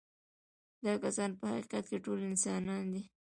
دا کسان په حقیقت کې ټول انسانان دي.